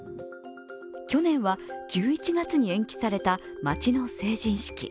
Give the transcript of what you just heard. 去年は１１月に延期された町の成人式。